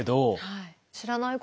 はい。